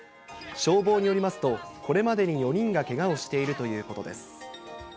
消防によりますと、これまでに４人がけがをしているということです。